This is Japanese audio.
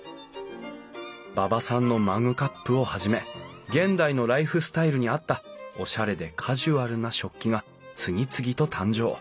馬場さんのマグカップをはじめ現代のライフスタイルに合ったおしゃれでカジュアルな食器が次々と誕生。